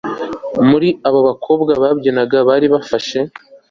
muri abo bakobwa babyinaga bari bafashe